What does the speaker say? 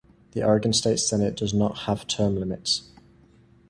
The Oregon State Senate does not have term limits.